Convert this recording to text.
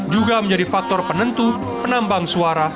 juga menjadi faktor penentu penambang suara